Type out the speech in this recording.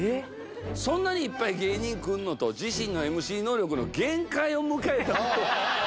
そんなにいっぱい芸人くんの？」と自身のＭＣ能力の限界を迎えた